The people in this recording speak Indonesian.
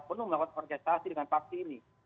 penuh melakukan progestasi dengan paksi ini